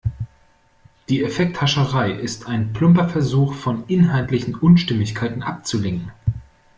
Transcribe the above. Die Effekthascherei ist ein plumper Versuch, von inhaltlichen Unstimmigkeiten abzulenken.